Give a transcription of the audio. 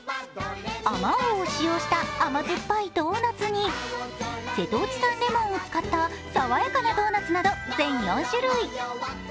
あまおうを使用した甘酸っぱいドーナツに瀬戸内産レモンを使った爽やかなドーナツなど全４種類。